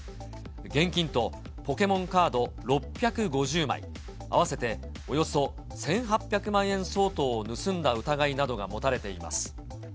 現金とポケモンカード６５０枚、合わせておよそ１８００万円相当を盗んだ疑いなどが持たれています。